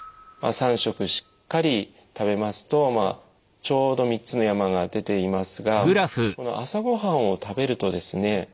３食しっかり食べますとちょうど３つの山が出ていますがこの朝ご飯を食べるとですね